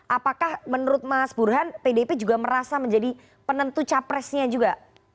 apakah menurut mas burhan pdip juga merasa menjadi penentu capresnya juga